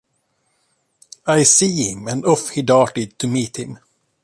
I see him!' and off he darted to meet him.